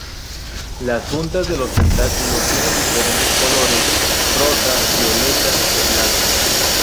Las puntas de los tentáculos tienen diferentes colores: rosa, violeta o blanco.